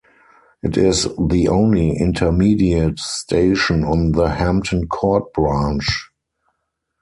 It is the only intermediate station on the Hampton Court branch.